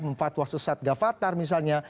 memfatwa sesat gavatar misalnya